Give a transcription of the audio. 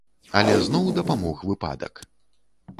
Але зноў дапамог выпадак.